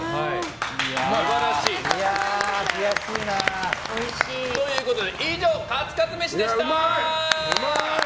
素晴らしい。ということで以上、カツカツ飯でした！